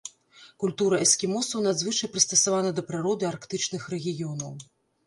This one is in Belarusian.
Культура эскімосаў надзвычай прыстасавана да прыроды арктычных рэгіёнаў.